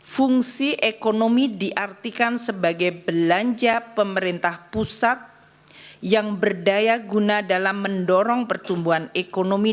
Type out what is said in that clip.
fungsi ekonomi diartikan sebagai belanja pemerintah pusat yang berdaya guna dalam mendorong pertumbuhan ekonomi